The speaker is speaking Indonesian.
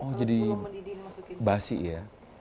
oh jadi basi ya